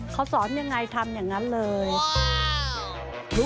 เค้าสอนอย่างไรทำอย่างนั้นเลยว้าว